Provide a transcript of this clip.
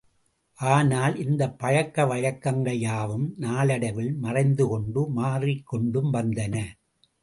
ஆனால், இந்தப் பழக்க வழக்கங்கள் யாவும், நாளடைவில் மறைந்துகொண்டும் மாறிக் கொண்டும் வந்தன.